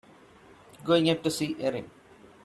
Going up to see Erin.